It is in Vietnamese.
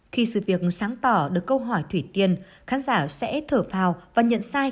khi sự việc sáng tỏ được câu hỏi thủy tiên khán giả sẽ thở vào và nhận sai